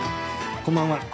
こんばんは。